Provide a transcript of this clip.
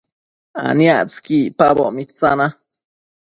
aniactsëqui icpaboc mitsana